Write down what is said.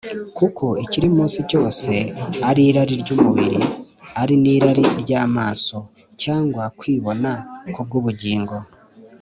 kuko ikiri mu isi cyose ari irari ry’umubiri ari n’irari ry’amaso, cyangwa kwibona ku by’ubugingo